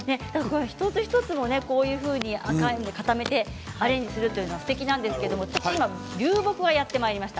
一つ一つこういうふうに固めてアレンジするというのはすてきなんですけれど今、流木がやって来ました。